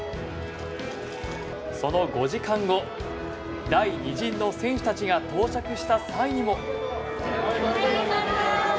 その５時間後第２陣の選手たちが到着した際にも。